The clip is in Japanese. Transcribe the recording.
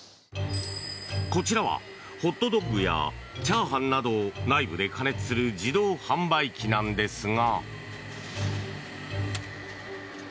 こちらはホットドッグやチャーハンなどを内部で加熱する自動販売機なのですが。